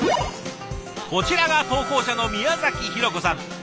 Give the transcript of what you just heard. こちらが投稿者の宮博子さん。